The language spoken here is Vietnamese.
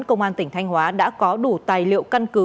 công an tỉnh thanh hóa đã có đủ tài liệu căn cứ